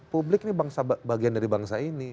publik ini bagian dari bangsa ini